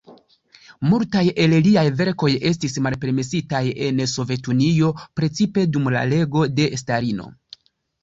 Multaj el liaj verkoj estis malpermesitaj en Sovetunio, precipe dum la rego de Stalino.